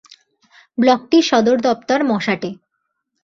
ব্লকটির সদর দপ্তর মশাটে।